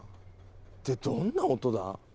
ってどんな音だ？